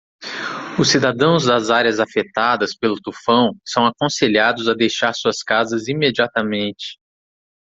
Os cidadãos das áreas afetadas pelo tufão são aconselhados a deixar suas casas imediatamente.